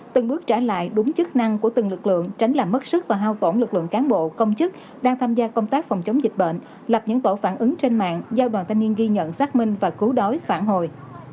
từng bước trả lại đúng chức năng của từng lực lượng tránh làm mất sức và hao tổn lực lượng cán bộ công chức đang tham gia công tác phòng chống dịch bệnh lập những tổ phản ứng trên mạng do đoàn thanh niên ghi nhận xác minh và cứu đói phản hồi